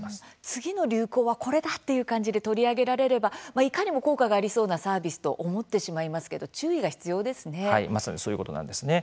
次の流行はこれだっていう感じで取り上げられればいかにも効果がありそうなサービスと思ってしまいますけど注意が必要ですね。